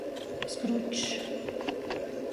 Skručs.